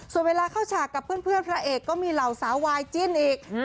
ส่วนเวลาเข้าฉากกับเพื่อนพระเอกก็มีเหล่าสาววายจิ้นอีก